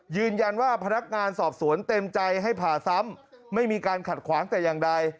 ยืนยันว่าพนักงานสอบสวนเต็มใจให้ผ่าซ้ำไม่มีการขัดขวางแต่อย่างใด